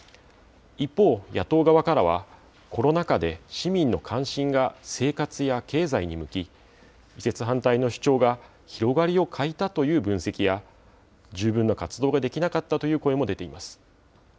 一方、野党側からは、コロナ禍で市民の関心が生活や経済に向き、移設反対の主張が広がりを欠いたという分析や、十分な活動ができなかったという声も出ています。